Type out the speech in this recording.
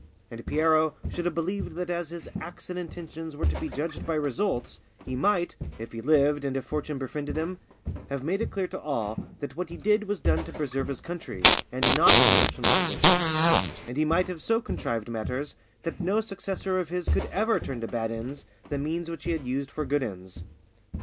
And Piero should have believed that as his acts and intentions were to be judged by results, he might, if he lived and if fortune befriended him, have made it clear to all, that what he did was done to preserve his country, and not from personal ambition; and he might have so contrived matters that no successor of his could ever turn to bad ends the means which he had used for good ends.